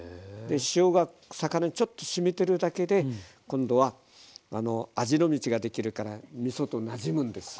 塩が魚にちょっとしみてるだけで今度は「味の道」ができるからみそとなじむんです。